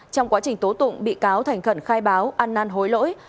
trong quá trình tố tụng bị cáo thành khẩn khai báo ăn năn hối lỗi